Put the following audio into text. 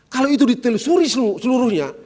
kalau itu ditelusuri seluruhnya